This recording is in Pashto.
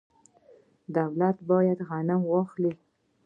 دولت باید غنم واخلي.